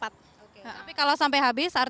tapi kalau sampai habis